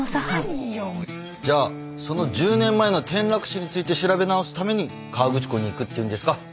じゃあその１０年前の転落死について調べ直すために河口湖に行くっていうんですか？